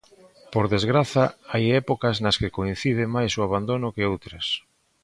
Por desgraza hai épocas nas que coincide máis o abandono que outras.